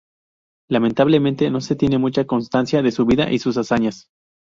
Lamentablemente, no se tiene mucha constancia de su vida y sus hazañas.